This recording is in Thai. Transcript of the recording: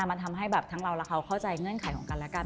มันทำให้แบบทั้งเราและเขาเข้าใจเงื่อนไขของกันและกัน